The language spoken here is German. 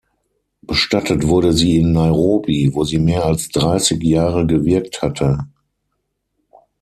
Bestattet wurde sie in Nairobi, wo sie mehr als dreißig Jahre gewirkt hatte.